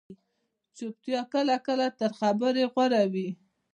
چُپتیا کله کله تر خبرې غوره وي